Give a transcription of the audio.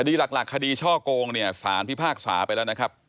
คดีหลักคดีช่อโกงเนี่ยสารพิพากษาไปแล้วนะครับ